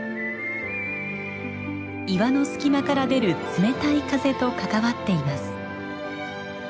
岩の隙間から出る冷たい風と関わっています。